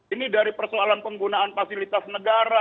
ini dari persoalan penggunaan fasilitas negara